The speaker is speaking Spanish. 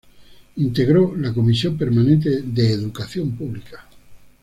Integró la comisión permanente de Educación Pública.